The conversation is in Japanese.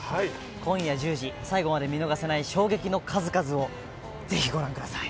今夜１０時、最後まで見逃せないぜひご覧ください。